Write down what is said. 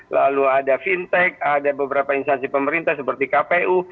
lalu ada fintech ada beberapa instansi pemerintah seperti kpu